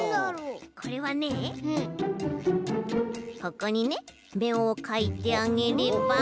これはねえここにねめをかいてあげれば。